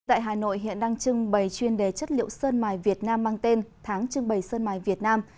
tại hà nội hiện đang trưng bày chuyên đề chất liệu sơn mài việt nam mang tên tháng trưng bày sơn mài việt nam